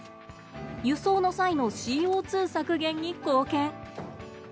輸送の際のＣＯ削減に貢献。